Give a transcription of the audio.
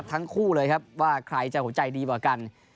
ทั้งคู่เลยครับว่าใครจะหัวใจดีกว่ากัน